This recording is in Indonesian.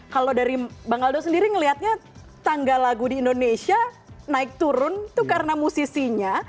kalau dari bang aldo sendiri ngelihatnya tanggal lagu di indonesia naik turun itu karena musisinya